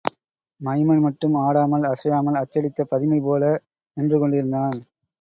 Maiman மட்டும் ஆடாமல் அசையாமல் அச்சடித்த பதுமைபோல நின்றுகொண்டிருந்தான்.